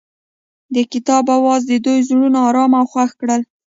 د کتاب اواز د دوی زړونه ارامه او خوښ کړل.